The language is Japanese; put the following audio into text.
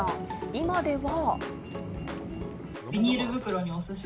今では。